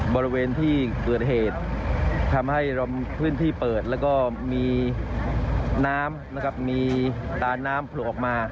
บริเวณที่เกิดเหตุทำให้พื้นที่เปิดแล้วก็มีน้ำนะครับมีตาน้ำโผล่ออกมา